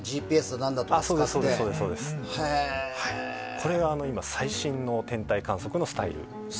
これが今、最新の天体観測のスタイルになりますね。